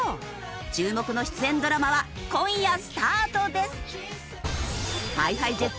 注目の出演ドラマは今夜スタートです！ＨｉＨｉＪｅｔｓ